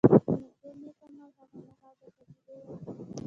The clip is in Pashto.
زموږ ټول نېک اعمال هغه مهال د قبلېدو وړ ګرځي